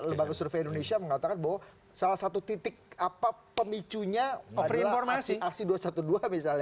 lembaga survei indonesia mengatakan bahwa salah satu titik apa pemicunya adalah aksi dua ratus dua belas misalnya